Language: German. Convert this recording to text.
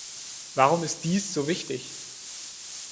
Warum ist dies so wichtig?